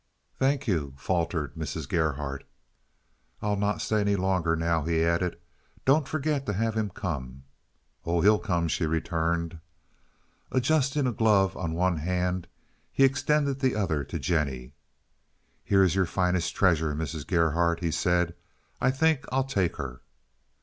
"Thank you," faltered Mrs. Gerhardt. "I'll not stay any longer now," he added. "Don't forget to have him come." "Oh, he'll come," she returned. Adjusting a glove on one hand, he extended the other to Jennie. "Here is your finest treasure, Mrs. Gerhardt," he said. "I think I'll take her."